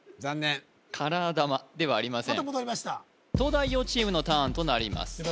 残念カラー玉ではありませんまた戻りました東大王チームのターンとなります